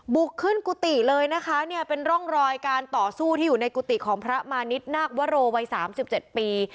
บุกขึ้นกุฏิเลยนะคะเนี่ยเป็นร่องรอยการต่อสู้ที่อยู่ในกุฏิของพระมานิดนาควโรวัย๓๗ปี